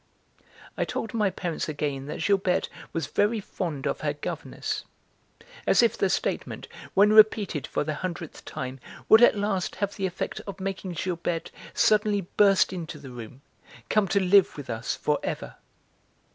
I told my parents again that Gilberte was very fond of her governess, as if the statement, when repeated for the hundredth time, would at last have the effect of making Gilberte suddenly burst into the room, come to live with us for ever.